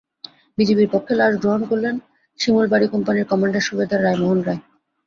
বিজিবির পক্ষে লাশ গ্রহণ করেন শিমুলবাড়ী কোম্পানি কমান্ডার সুবেদার রাই মোহন রায়।